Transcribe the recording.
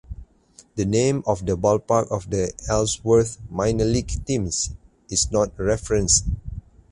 The name of the ballpark of the Ellsworth minor league teams is not referenced.